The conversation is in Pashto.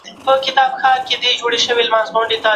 د څېړونکي پوښتنه له عمومي پوښتني هدفمند وي.